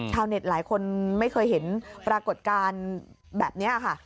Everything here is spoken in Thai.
หลายคนไม่เคยเห็นปรากฏการณ์แบบนี้ค่ะ